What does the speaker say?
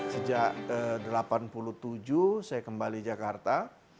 sejak seribu sembilan ratus delapan puluh tujuh saya kembali jakarta